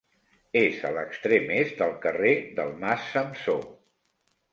És a l'extrem est del carrer del Mas Samsó.